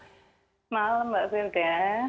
selamat malam mbak firda